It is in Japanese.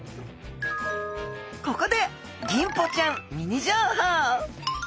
ここでギンポちゃんミニ情報。